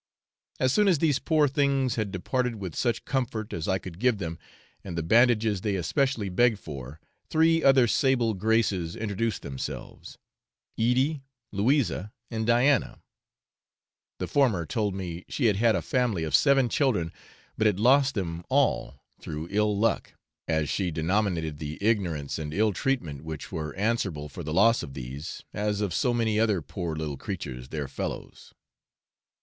As soon as these poor things had departed with such comfort as I could give them, and the bandages they especially begged for, three other sable graces introduced themselves, Edie, Louisa, and Diana; the former told me she had had a family of seven children, but had lost them all through 'ill luck,' as she denominated the ignorance and ill treatment which were answerable for the loss of these, as of so many other poor little creatures their fellows.